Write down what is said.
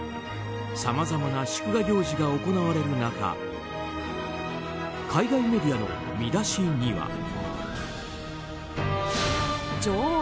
さまざまな祝賀行事が行われる中海外メディアの見出しには。